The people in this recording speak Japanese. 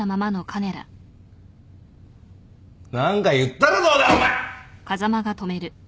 何か言ったらどうだお前！